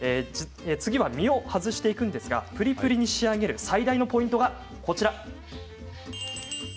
実を外していくんですがプリプリに仕上げる最大のポイントがこちらです。